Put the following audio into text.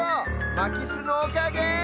まきすのおかげ！